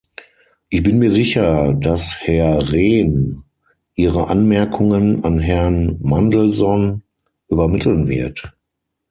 Ich bin mir sicher, dass Herr Rehn Ihre Anmerkungen an Herrn Mandelson übermitteln wird.